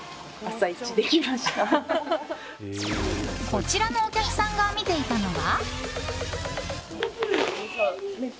こちらのお客さんが見ていたのは。